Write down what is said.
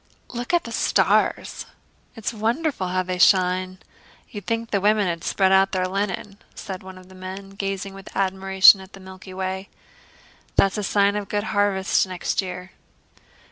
"Look at the stars. It's wonderful how they shine! You would think the women had spread out their linen," said one of the men, gazing with admiration at the Milky Way. "That's a sign of a good harvest next year."